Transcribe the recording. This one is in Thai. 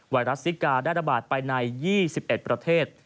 ไรัสซิกาได้ระบาดไปใน๒๑ประเทศ